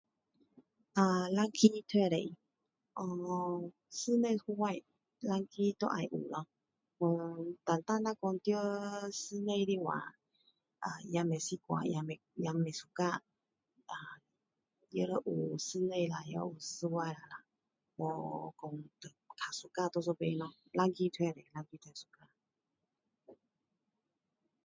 啊,两个都可以 uhm 室内户外两个都要有咯。uhm 单单哪讲在室内的话，啊也不习惯，也不，也不 suka, 啊也要有室内也要有室外啦，没说比较 suka 那一边咯，两个都可以，两个都会 suka。